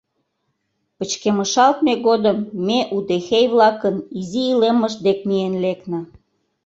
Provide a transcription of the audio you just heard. Пычкемышалтме годым ме удэхей-влакын изи илемышт дек миен лекна.